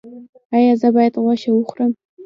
ایا زه باید غوښه وخورم؟